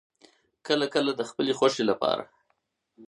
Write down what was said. کله کله د خپلې خوښې لپاره